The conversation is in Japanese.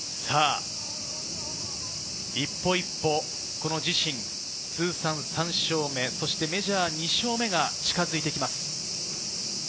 一歩一歩、自身通算３勝目、メジャー２勝目が近づいてきます。